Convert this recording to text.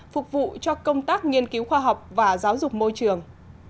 phục vụ cho công tác nghiên cứu khoa học và giáo dục môi trường